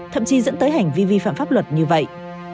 thậm chí dẫn tới hành vi vi phạm pháp luật như vậy